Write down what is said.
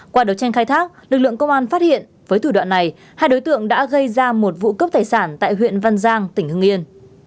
qua đấu tranh khai thác lực lượng công an phát hiện với thủ đoạn này hai đối tượng đã gây ra một vụ cướp tài sản tại huyện văn giang tỉnh hưng yên